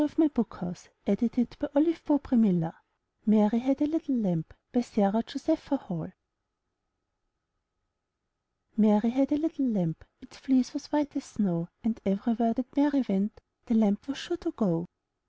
253 MY BOOK HOUSE f u stsGi ^ MARY HAD A LITTLE LAMB Sara Josepha Hall Mary had a little Lamb, Its fleece was white as snow; And everywhere that Mary went The lamb was sure to go.